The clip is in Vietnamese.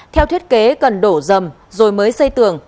theo thiết kế cần đổ dầm rồi mới xây tường